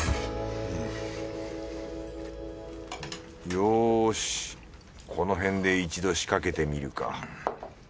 よしこのへんで一度仕掛けてみるか。